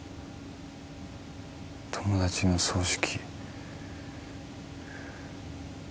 友達の葬式。